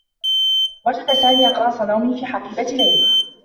وجد سامي أقراص نوم في حقيبة ليلى.